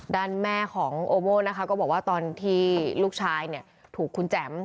ด้านแม่ของโอโม่นะคะก็บอกว่าตอนที่ลูกชายถูกคุณแจ๋ม